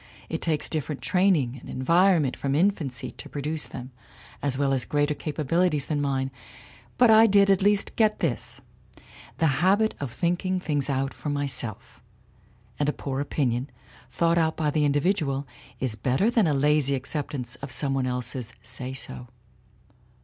It takes different training and environment from infancy to produce them, as well as greater capabilities than mine. But I did at least get this the habit of thinking things out for myself, and a poor opinion, thought out by the individual, is better than a lazy acceptance of some one else's say so.